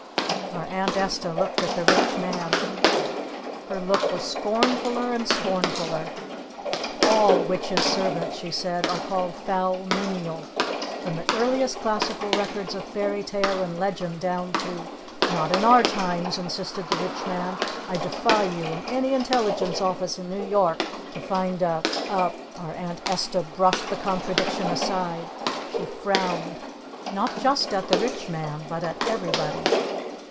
Our Aunt Esta looked at the Rich Man. Her look was scornfuller and scornfuller. "All Witch's servants," she said, "are called 'Foul Menial!' From the earliest classical records of fairy tale and legend down to " "Not in our times," insisted the Rich Man. "I defy you in any Intelligence Office in New York to find a a " Our Aunt Esta brushed the contradiction aside. She frowned. Not just at the Rich Man. But at everybody.